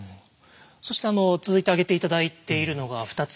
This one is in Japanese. そして続いて挙げて頂いているのが２つ目。